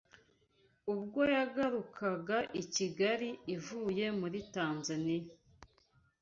ubwo yagarukaga i Kigali ivuye muri Tanzania